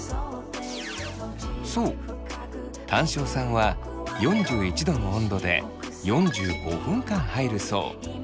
そうタン塩さんは４１℃の温度で４５分間入るそう。